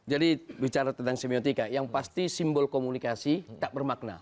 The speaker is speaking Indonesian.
jadi bicara tentang semiotika yang pasti simbol komunikasi tak bermakna